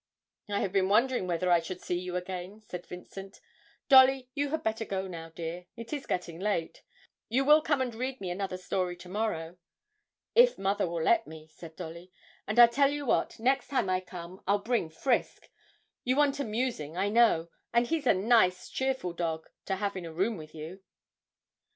'I have been wondering whether I should see you again,' said Vincent. 'Dolly, you had better go now, dear, it is getting late you will come and read me another story to morrow?' 'If mother will let me,' said Dolly; 'and I tell you what, next time I come I'll bring Frisk; you want amusing, I know, and he's a nice, cheerful dog to have in a room with you.'